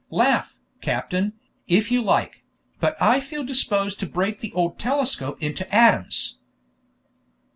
"Laugh, captain, if you like; but I feel disposed to break the old telescope into atoms."